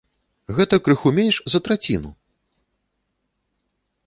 Гэта крыху менш за траціну!